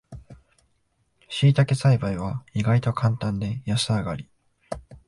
しいたけ栽培は意外とカンタンで安上がり